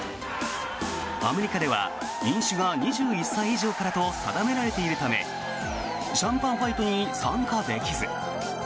アメリカでは飲酒が２１歳以上からと定められているためシャンパンファイトに参加できず。